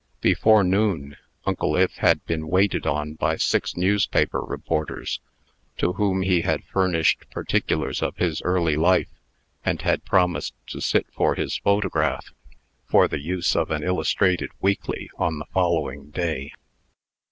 Before noon, Uncle Ith had been waited on by six newspaper reporters, to whom he had furnished particulars of his early life; and had promised to sit for his photograph, for the use of an illustrated weekly, on the following day.